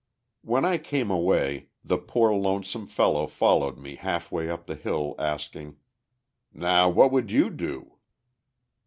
When I came away the poor lonesome fellow followed me half way up the hill, asking: "Now, what would you do?"